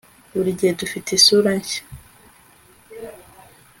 Buri gihe dufite isura nshya